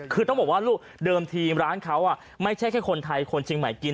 คือต้องบอกว่าลูกเดิมทีมร้านเขาไม่ใช่แค่คนไทยคนเชียงใหม่กิน